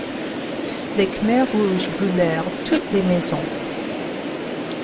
Les khmers rouges brûlèrent toutes les maisons.